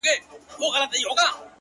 يو يمه خو،